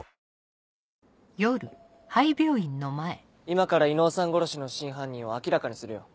今から伊能さん殺しの真犯人を明らかにするよ。